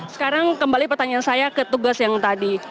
sekarang kembali pertanyaan saya ke tugas yang tadi